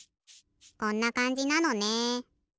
こんなかんじなのね。